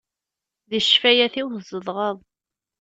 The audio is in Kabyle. Di ccfayat-iw tzedɣeḍ.